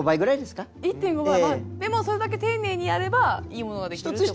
まあでもそれだけ丁寧にやればいいものができるってことですよね？